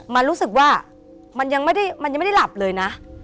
มันรู้สึกว่ามันยังไม่ได้หลับเลยนะ